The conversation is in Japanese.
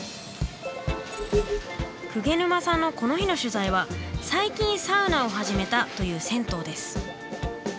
久下沼さんのこの日の取材は最近サウナを始めたという銭湯です。